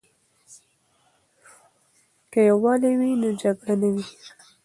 که یووالی وي نو جګړه نه وي.